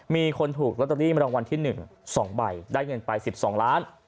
มีคนถูกลอตเตอรี่มารางวัลที่๑๒ใบได้เงินไป๑๒ล้าน